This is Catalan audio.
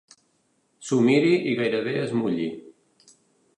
S'ho miri i gairebé es mulli.